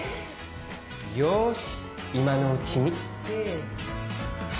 よしいまのうちに。